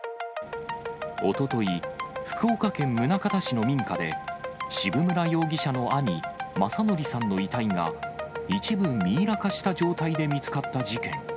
おととい、福岡県宗像市の民家で、渋村容疑者の兄、政憲さんの遺体が、一部ミイラ化した状態で見つかった事件。